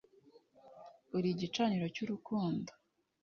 uri igicaniro cy'urukundo